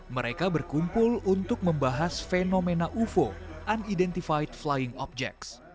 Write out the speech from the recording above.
mereka berkumpul untuk membahas fenomena ufo undentified flying objects